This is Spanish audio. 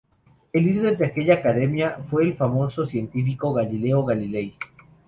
El líder de aquella academia fue el famoso científico Galileo Galilei.